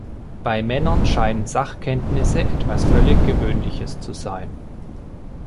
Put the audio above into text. Bei Männern scheinen Sachkenntnisse etwas völlig Gewöhnliches zu sein.